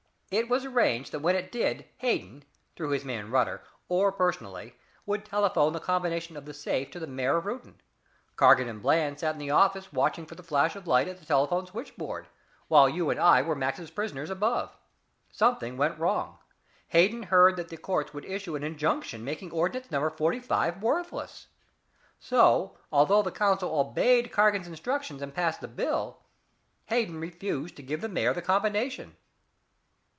It was arranged that when it did, Hayden, through his man Rutter, or personally, would telephone the combination of the safe to the mayor of Reuton. Cargan and Bland sat in the office watching for the flash of light at the telephone switchboard, while you and I were Max's prisoners above. Something went wrong. Hayden heard that the courts would issue an injunction making Ordinance Number 45 worthless. So, although the council obeyed Cargan's instructions and passed the bill, Hayden refused to give the mayor the combination."